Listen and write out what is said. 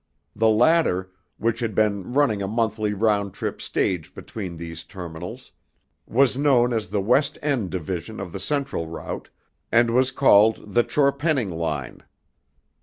The latter, which had been running a monthly round trip stage between these terminals, was known as the West End Division of the Central Route, and was called the Chorpenning line.